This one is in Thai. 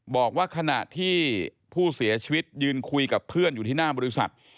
บอกว่าขณะที่ผู้เสียชีวิตยืนคุยกับเพื่อนอยู่ที่หน้าบริษัท